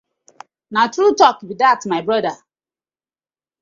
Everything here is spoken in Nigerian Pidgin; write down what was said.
Na true talk be dat my brother.